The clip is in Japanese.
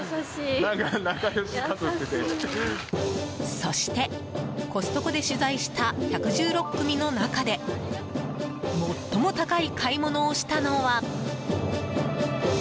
そして、コストコで取材した１１６組の中で最も高い買い物をしたのは。